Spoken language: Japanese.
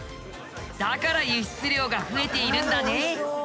だから輸出量が増えているんだね。